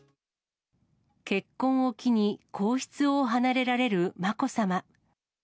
結婚を機に、皇室を離れられるまこさま。